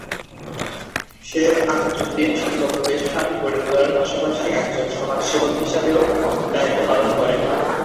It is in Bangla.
শেখ আকিজউদ্দীন শিল্প প্রতিষ্ঠান গড়ে তোলার পাশাপাশি একজন সমাজসেবক হিসেবেও দায়িত্ব পালন করেন।